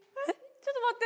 ちょっと待って。